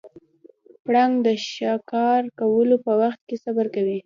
پړانګ د ښکار کولو په وخت کې صبر کوي.